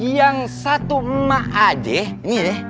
yang satu emak aja ini nih